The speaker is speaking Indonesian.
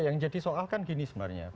yang jadi soal kan gini sebenarnya